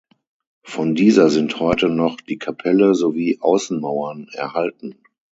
Von dieser sind heute noch die Kapelle sowie Außenmauern erhalten.